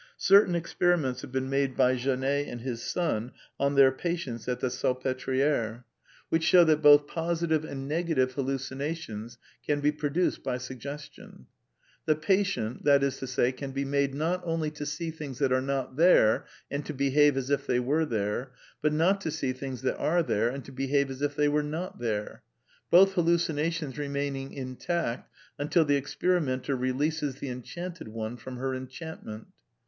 Certain experiments have been made by Janet and his son on their patients at the Salpetriere, A DEFENCE OF IDEALISM which show that both positive and negative hallucinationB can be produced by suggestion* The patient, that is to say, can be made, not only to see things that are not there and to behave as if they were there, but not to see things that are there and to behave as if they were not there ; both hallucinations remaining intact until the experimenter releases the enchanted one from her enchantment.